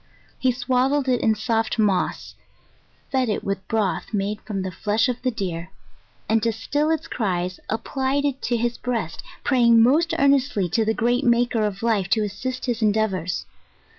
He swaddled it in soft moss, fed it with broth made from the flesh of the deer, and to still its cries applied it to his breast, praying most earnestly to the great Maker of Life, to assist his endeavours.